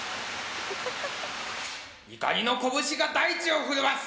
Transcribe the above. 怒りの拳が大地を震わす！